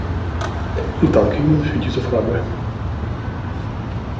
Ich danke Ihnen für diese Frage.